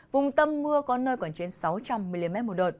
vùng tâm mưa có nơi còn trên sáu trăm linh mm